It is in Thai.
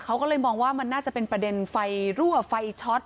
เขาก็เลยมองว่ามันน่าจะเป็นประเด็นไฟรั่วไฟช็อต